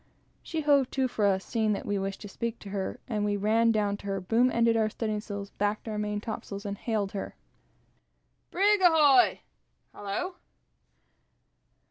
She hove to for us, seeing that we wished to speak her; and we ran down to her; boom ended our studding sails; backed our main topsail, and hailed her "Brig, ahoy!" "Hallo!"